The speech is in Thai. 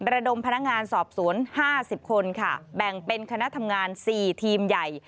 ระดมพนักงานสอบสวน๕๐คนค่ะแบ่งเป็นคณะทำงาน๔ทีมใหญ่